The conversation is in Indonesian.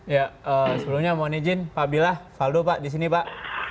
ya sebelumnya mohon izin pak abdillah faldo pak di sini pak